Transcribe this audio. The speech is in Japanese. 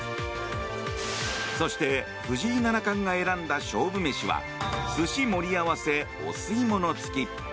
そして藤井七冠が選んだ勝負飯は寿司盛り合わせお吸い物付き。